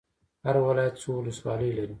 هر ولایت څو ولسوالۍ لري؟